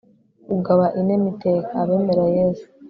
ugaba inema iteka. abemera yezu